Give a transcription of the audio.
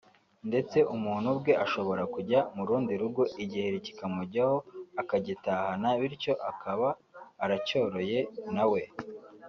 ndetse umuntu ubwe ashobora kujya mu rundi rugo igiheri kikamujyaho akagitahana bityo akaba aracyoroye na we